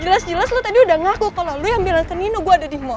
jelas jelas lo tadi udah ngaku kalau lo yang bilang ke ninu gue ada di mall